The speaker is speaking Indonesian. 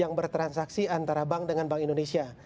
yang bertransaksi antara bank dengan bank indonesia